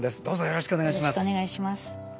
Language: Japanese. よろしくお願いします。